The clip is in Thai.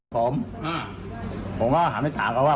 ผมก็เดี๋ยวเขาเคลียร์